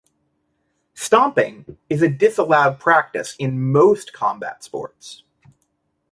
Stomping is a disallowed practice in most combat sports.